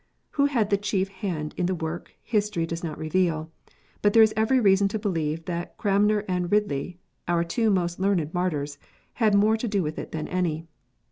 Who had the chief hand in the work, history does not reveal ; but there is every reason to believe that Cranmer and Ridley our two most learned martyrs, had more to do with it than any.